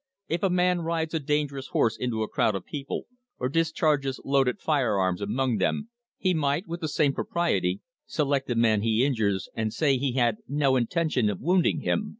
If a man rides a dangerous horse into a crowd of people, or discharges loaded firearms among them, he might, with the same propriety, select the man he injures and say he had no intention of wounding him.